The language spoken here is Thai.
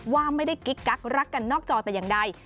ว่าไม่ได้กิ๊กกักรักกันนอกจอแต่อย่างใด